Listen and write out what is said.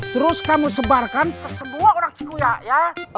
terus kamu sebarkan ke semua orang cingguya ya